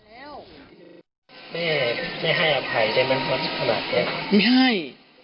ไม่ให้อภัยไม่ให้